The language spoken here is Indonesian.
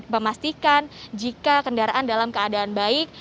memastikan jika kendaraan dalam keadaan baik